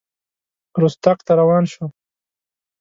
رُستاق ته روان شو.